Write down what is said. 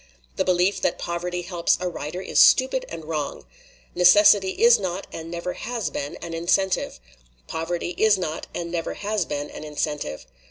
The belief that poverty helps a writer is stupid and wrong. Necessity is not and never has been an incentive. Poverty is not and never has been an incentive.